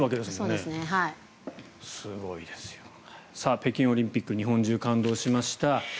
北京オリンピック日本中感動しました。